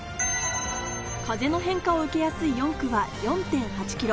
風の変化を受けやすい４区は４．８ｋｍ。